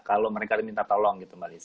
kalau mereka minta tolong gitu mba lizzy